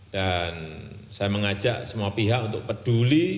dan saya mengajak semua pihak untuk peduli